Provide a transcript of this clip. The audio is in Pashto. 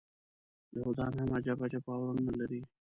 یهودان هم عجب عجب باورونه لري.